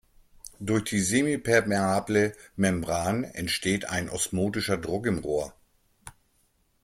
Durch die semipermeable Membran entsteht ein osmotischer Druck im Rohr.